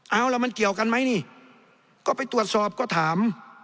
เอาล่ะมันเกี่ยวกันไหมนี่ก็ไปตรวจสอบก็ถาม